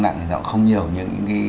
nặng thì nó không nhiều như